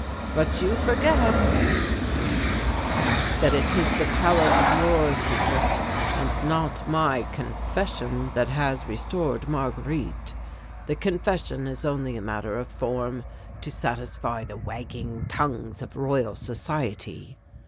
"But you forget," he said, "that it is the power of your secret and not my confession that has restored Marguerite. The confession is only a matter of form, to satisfy the wagging tongues of Royal Society."